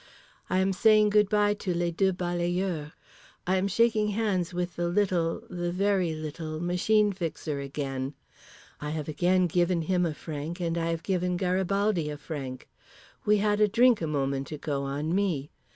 I am saying good bye to les deux balayeurs. I am shaking hands with the little (the very little) Machine Fixer again. I have again given him a franc and I have given Garibaldi a franc. We had a drink a moment ago on me.